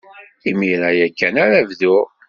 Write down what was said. Imir-a ya kan ara bduɣ.